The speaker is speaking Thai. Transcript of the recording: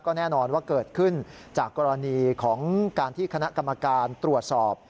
แน่นอนว่าเกิดขึ้นจากกรณีของการที่คณะกรรมการตรวจสอบ